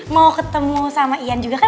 mau ketemu sama ian juga kan